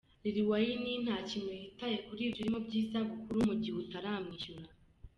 Lil Wayne nta kintu yitaye kuri ibi urimo by’isabukuru mu gihe utaramwishyura”.